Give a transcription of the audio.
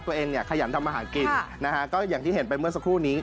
ตัวเองเนี่ยขยันทำอาหารกินนะฮะก็อย่างที่เห็นไปเมื่อสักครู่นี้